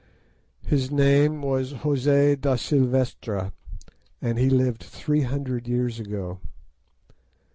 His name was José da Silvestra, and he lived three hundred years ago.